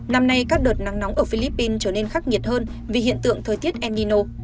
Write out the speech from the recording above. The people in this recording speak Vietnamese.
năm nay các đợt nắng nóng ở philippines trở nên khắc nghiệt hơn vì hiện tượng thời tiết enino